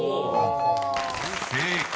［正解。